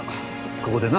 ここでな。